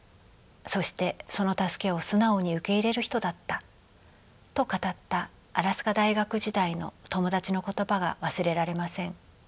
そしてその助けを素直に受け入れる人だった」と語ったアラスカ大学時代の友達の言葉が忘れられません。